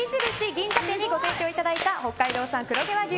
銀座店にご提供いただいた北海道産黒毛和牛